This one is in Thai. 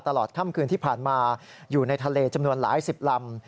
ตลอดค่ำคืนที่ผ่านมาอยู่ในทะเลจำนวนหลายสิบลำ